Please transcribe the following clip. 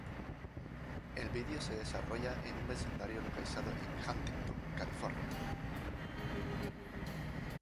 El vídeo se desarrolla en un vecindario localizado en Huntington California.